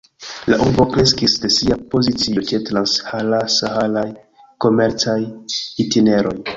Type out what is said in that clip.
La urbo kreskis de sia pozicio ĉe trans-saharaj komercaj itineroj.